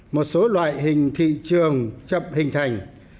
một số loại hình thị trường chậm hình thảm